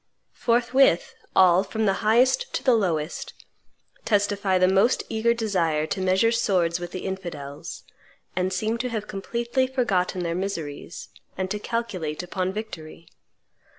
"Forthwith all, from the highest to the lowest, testify the most eager desire to measure swords with the infidels, and seem to have completely forgotten their miseries, and to calculate upon victory.